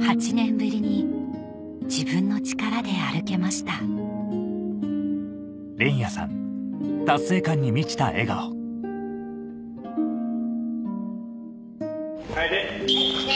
８年ぶりに自分の力で歩けましたはい礼。